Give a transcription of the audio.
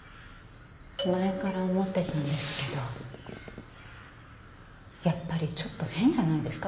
前から思ってたんですけどやっぱりちょっと変じゃないですか？